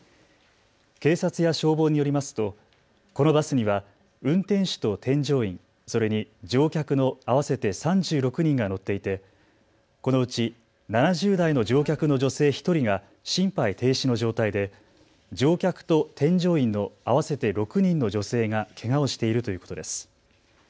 警察や消防によりますとこのバスには運転手と添乗員、それに乗客の合わせて３６人が乗っていてこのうち７０代の乗客の女性１人が心肺停止の状態で乗客と添乗員の合わせて６人の女性がけがをしているということです。